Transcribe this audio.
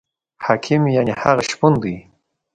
حاکم یعنې هغه شپون دی.